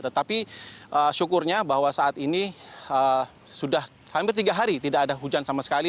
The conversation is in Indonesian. tetapi syukurnya bahwa saat ini sudah hampir tiga hari tidak ada hujan sama sekali